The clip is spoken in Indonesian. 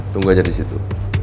tunggu aja disitu